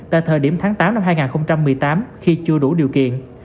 tại thời điểm tháng tám năm hai nghìn một mươi tám khi chưa đủ điều kiện